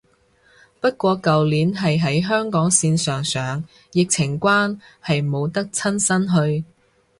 不過舊年係喺香港線上上，疫情關係冇得親身去